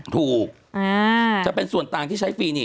ถูกจะเป็นส่วนต่างที่ใช้ฟรีนิก